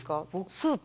スープ？